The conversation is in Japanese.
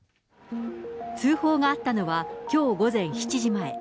通報があったのは、きょう午前７時前。